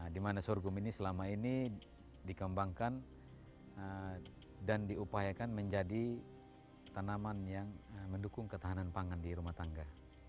di mana sorghum ini selama ini dikembangkan dan diupayakan menjadi tanaman yang mendukung ketahanan pangan di rumah tangga